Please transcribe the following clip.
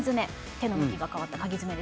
手の向きが変わったかぎ爪ですね。